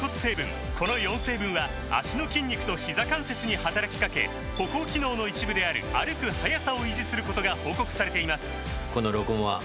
この４成分は脚の筋肉とひざ関節に働きかけ歩行機能の一部である歩く速さを維持することが報告されています